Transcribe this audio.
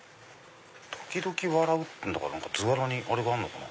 時々笑うってんだから図柄にあれがあるのかな。